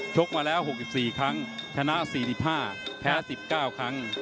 กมาแล้ว๖๔ครั้งชนะ๔๕แพ้๑๙ครั้ง